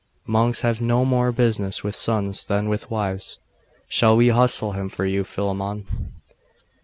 Monks have no more business with sons than with wives. Shall we hustle him for you, Philammon?